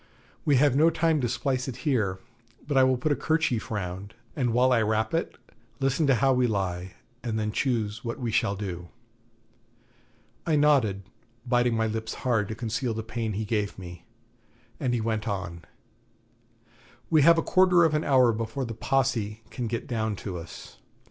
'We have no time to splice it here, but I will put a kerchief round, and while I wrap it, listen to how we lie, and then choose what we shall do.' I nodded, biting my lips hard to conceal the pain he gave me, and he went on: 'We have a quarter of an hour before the Posse can get down to us.